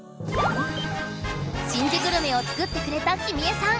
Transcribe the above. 真珠グルメを作ってくれた君枝さん。